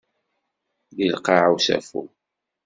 D lqaɛ usafu.